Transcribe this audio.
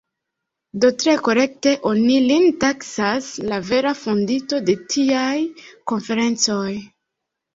Do tre korekte oni lin taksas la vera fondinto de tiaj konferencoj.